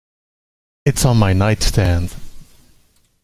It's on my nightstand.